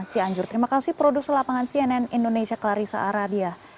cianjur terima kasih produser lapangan cnn indonesia clarissa aradia